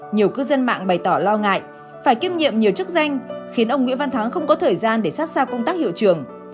nhiều cư dân mạng bày tỏ lo ngại phải kiêm nhiệm nhiều chức danh khiến ông nguyễn văn thắng không có thời gian để sát sao công tác hiệu trường